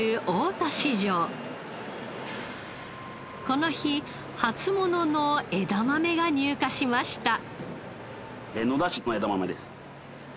この日初物の枝豆が入荷しました。